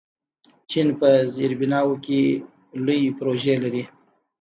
چین په زیربناوو کې لوی پروژې لري.